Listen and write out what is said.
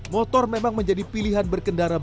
motor memang menjadi pilihan berkendara